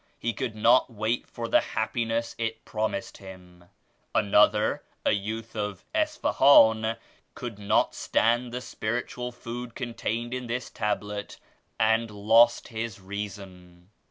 He could not wait for the happi ness it promised him. Another, a youth of Isfa han, could not stand the spiritual food contained in this Tablet, and lost his reason."